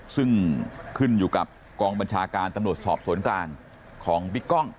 ซึ่งขึ้นอยู่กับกองบัญชาการตำรวจสอบสวนกลางของบิ๊กกล้อง